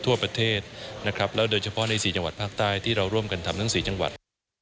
ทั่วประเทศนะครับแล้วโดยเฉพาะใน๔จังหวัดภาคใต้ที่เราร่วมกันทำทั้ง๔จังหวัด